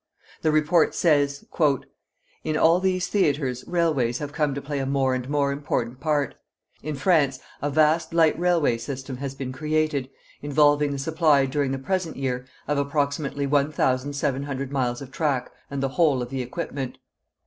The Report says: In all these theatres railways have come to play a more and more important part. In France a vast light railway system has been created, involving the supply during the present year of approximately 1,700 miles of track and the whole of the equipment....